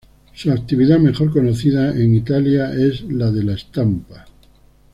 Su actividad mejor conocida en Italia es la de la estampa.